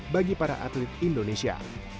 bagi para atlet indonesia